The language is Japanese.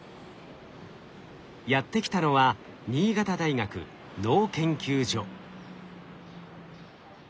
やって来たのは新潟大学脳研究所。